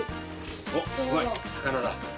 おっすごい魚だ。